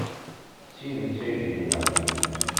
D tidet ay d-yenna.